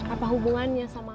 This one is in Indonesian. apa hubungannya sama aku